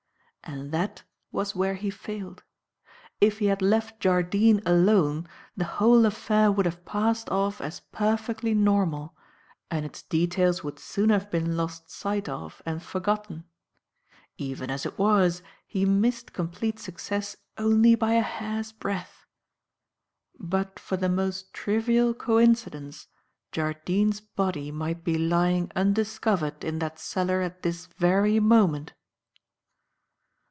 And that was where he failed. If he had left Jardine alone, the whole affair would have passed off as perfectly normal and its details would soon have been lost sight of and forgotten. Even as it was, he missed complete success only by a hair's breadth. But for the most trivial coincidence, Jardine's body might be lying undiscovered in that cellar at this very moment."